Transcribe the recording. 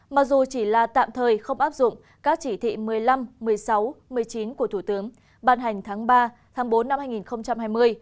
mặc dù chỉ là tạm thời không áp dụng các chỉ thị một mươi năm một mươi sáu một mươi chín của thủ tướng ban hành tháng ba tháng bốn năm hai nghìn hai mươi